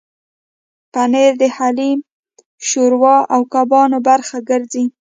پنېر د حلیم، شوروا او کبابو برخه ګرځي.